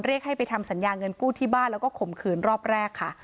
เรียกให้ไปทำสัญญาเงินกู้ที่บ้านแล้วก็ข่มขืนรอบแรกค่ะ